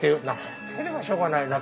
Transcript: なければしょうがないなと。